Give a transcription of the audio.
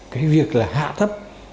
cái việc là hạ thấp